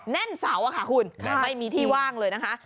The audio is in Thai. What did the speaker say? แน่นเสาอะค่ะคุณไม่มีที่ว่างเลยนะคะ